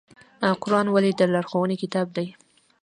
قرآن ولې د لارښوونې کتاب دی؟